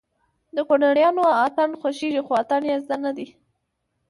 د کونړيانو اتڼ خوښېږي خو اتڼ يې نه زده